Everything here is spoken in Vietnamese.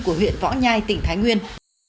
của huyện võ nhai tỉnh thái nguyên